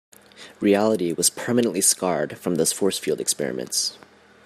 Reality was permanently scarred from those force field experiments.